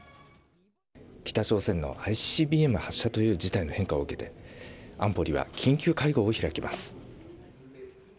北朝鮮のＩＣＢＭ発射という事態の変化を受けて安保理は緊急会合を開きます。